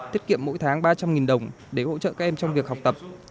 tiết kiệm mỗi tháng ba trăm linh đồng để hỗ trợ các em trong việc học tập